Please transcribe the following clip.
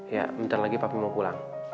ya bentar lagi papa mau pulang